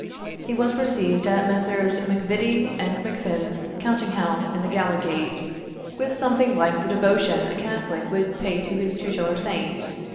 He was received at Messrs. MacVittie and MacFin's counting house in the Gallowgate, with something like the devotion a Catholic would pay to his tutelar saint.